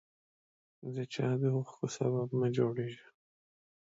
د چا د اوښکو سبب مه جوړیږه